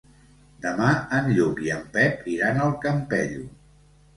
Demà en Lluc i en Pep iran al Campello.